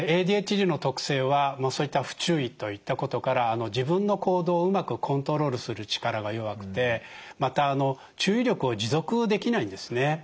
ＡＤＨＤの特性はそういった不注意といったことから自分の行動をうまくコントロールする力が弱くてまた注意力を持続できないんですね。